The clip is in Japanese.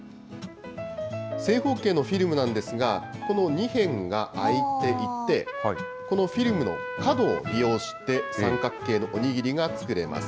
正方形のフィルムなんですが、この２辺が開いていて、このフィルムの角を利用して、三角形のお握りが作れます。